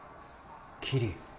キリ